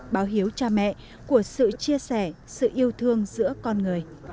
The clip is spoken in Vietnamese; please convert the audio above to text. báo hiếu cha mẹ của sự chia sẻ sự yêu thương giữa con người